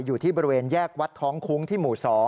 อยู่ที่บริเวณแยกวัดท้องคุ้งที่หมู่๒